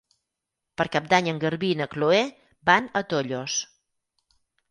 Per Cap d'Any en Garbí i na Chloé van a Tollos.